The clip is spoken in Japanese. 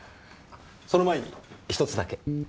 その前に１つだけ。